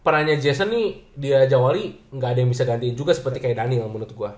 perannya jason nih dia jawali gak ada yang bisa gantiin juga seperti kayak dhani lah menurut gue